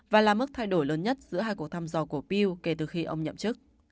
và là mức thay đổi lớn nhất giữa hai cuộc thăm dò của pew kể từ khi ông nhậm chức